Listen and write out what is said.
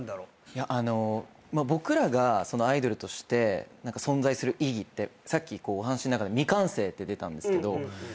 あの僕らがアイドルとして存在する意義ってさっきお話の中で「未完成」って出たんですけど。